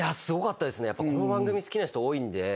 この番組好きな人多いんで。